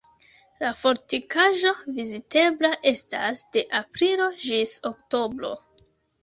La fortikaĵo vizitebla estas de aprilo ĝis oktobro.